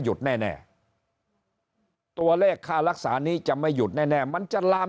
แน่ตัวเลขค่ารักษานี้จะไม่หยุดแน่มันจะลาม